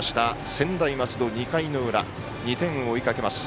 専大松戸２回の裏、２点を追いかけます。